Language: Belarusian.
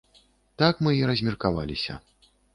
Так мы і размеркаваліся.